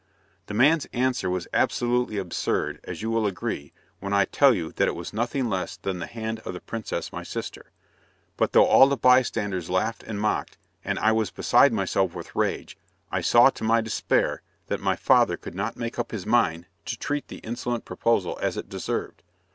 "The man's answer was absolutely absurd, as you will agree, when I tell you that it was nothing less than the hand of the princess my sister; but though all the bystanders laughed and mocked, and I was beside myself with rage, I saw to my despair that my father could not make up his mind to treat the insolent proposal as it deserved.